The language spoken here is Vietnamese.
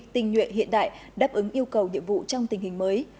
tình nguyện hiện đại đáp ứng yêu cầu nhiệm vụ trong tình hình mới